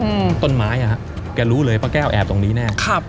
อืมต้นไม้อ่ะฮะแกรู้เลยป้าแก้วแอบตรงนี้แน่ครับ